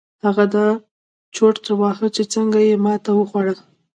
هغه دا چورت واهه چې څنګه يې ماتې وخوړه.